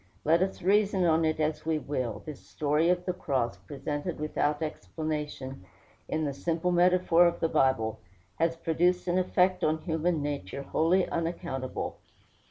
Let us reason on it as we will, this story of the cross, presented without explanation in the simple metaphor of the Bible, has produced an effect on human nature wholly unaccountable.